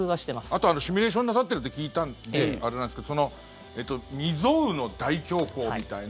あとシミュレーションなさってると聞いたのであれなんですけど未曽有の大恐慌みたいな。